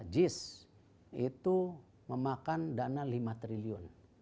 jis itu memakan dana lima triliun